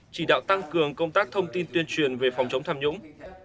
chỉ đạo tăng cường công tác thông tin tuyên truyền về phòng chống tham nhũng